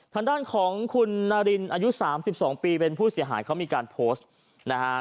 ทางด้านของคุณนารินอายุ๓๒ปีเป็นผู้เสียหายเขามีการโพสต์นะฮะ